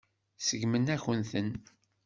Seggment-akent-ten.